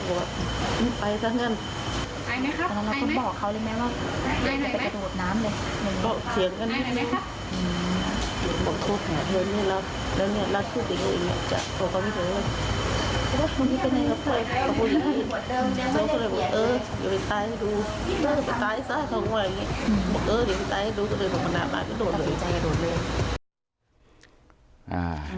เขาเลยบอกมันน่ามากก็โดดเลย